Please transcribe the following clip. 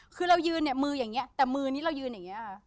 คือเรายืนมืออย่างเงี้ยแต่มือเราอยืนอย่างเงี้ย